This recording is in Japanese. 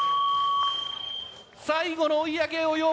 最後の追い上げ及ばす